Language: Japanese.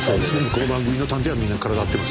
この番組の探偵はみんな体張ってます。